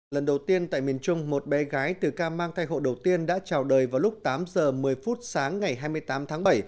lần đầu tiên tại miền trung một bé gái từ ca mang thai hộ đầu tiên đã trào đời vào lúc tám giờ một mươi phút sáng ngày hai mươi tám tháng bảy